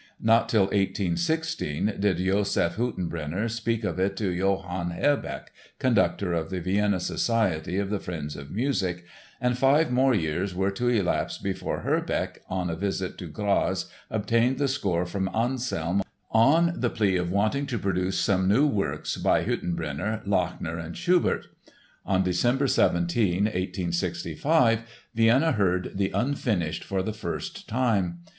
Not till 1860 did Josef Hüttenbrenner speak of it to Johann Herbeck, conductor of the Vienna Society of the Friends of Music, and five more years were to elapse before Herbeck, on a visit to Graz, obtained the score from Anselm on the plea of wanting to produce some "new" works by Hüttenbrenner, Lachner and Schubert. On December 17, 1865, Vienna heard the Unfinished for the first time.